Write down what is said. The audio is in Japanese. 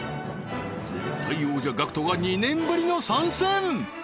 絶対王者 ＧＡＣＫＴ が２年ぶりの参戦！